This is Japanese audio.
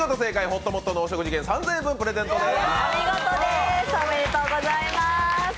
ほっともっとのお食事券３０００円分プレゼントです。